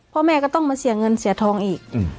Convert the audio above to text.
พ่อแม่ก็ต้องมาเสียเงินเสียทองอีก